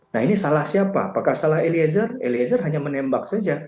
nah ini salah siapa apakah salah eliezer eliezer hanya menembak saja